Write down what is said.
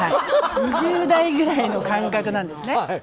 ２０代くらいの感覚なんですね。